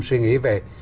suy nghĩ về